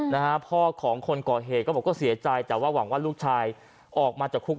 นะฮะพ่อของคนก